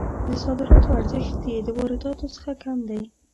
د صادراتو ارزښت یې د وارداتو څخه کم دی.